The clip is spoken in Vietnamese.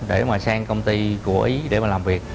để mà sang công ty của ý để mà làm việc